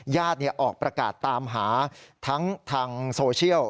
ญาติออกประกาศตามหาทั้งทางโซเชียล